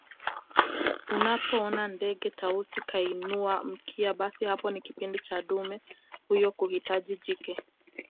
Unapoona ndege Tausi kainua mkia basi hapo ni kipindi cha dume huyo kuhitaji jike